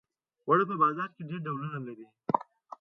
اوړه په بازار کې ډېر ډولونه لري